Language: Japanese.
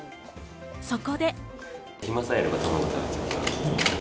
そこで。